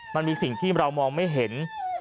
มันมีสิ่งที่เรามองไม่เห็น